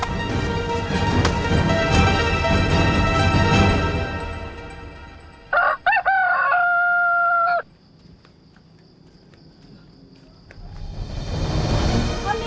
tadi perasaan kesini deh